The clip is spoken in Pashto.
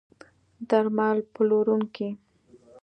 درمل پلورونکي